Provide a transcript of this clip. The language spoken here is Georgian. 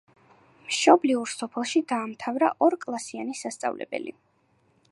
მშობლიურ სოფელში დაამთავრა ორკლასიანი სასწავლებელი.